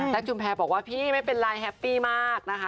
ชุมแพรบอกว่าพี่ไม่เป็นไรแฮปปี้มากนะคะ